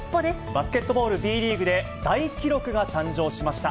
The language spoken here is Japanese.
バスケットボールＢリーグで大記録が誕生しました。